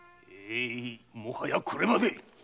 もはやこれまで。